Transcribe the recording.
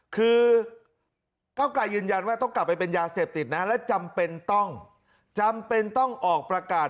ก้าวไกรยืนยันว่าต้องกลับไปเป็นยาเสพติดและจำเป็นต้องออกประกาศ